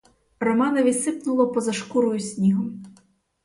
Романові сипнуло поза шкурою снігом.